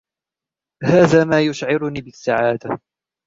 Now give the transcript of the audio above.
هذا ما يشعرني بالسعادة.